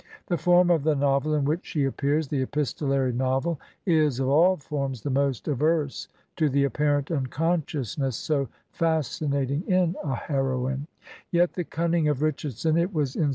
The form of the novel in which she appears, the epistolary novel, is of all forms the most averse to the apparent unconsciousness so fascinating in a heroine ; yet the cunning of Richardson (it was in.